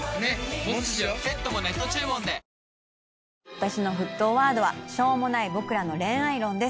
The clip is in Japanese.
私の沸騰ワードは『しょうもない僕らの恋愛論』です。